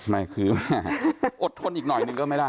ไม่คือว่าอดทนอีกหน่อยหนึ่งก็ไม่ได้